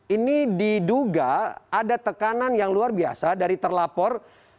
ini diduga ada tekanan yang luar biasa dari terlapor